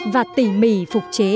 và tỉ mì phục chế